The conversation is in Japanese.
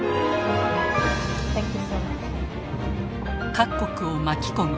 各国を巻き込み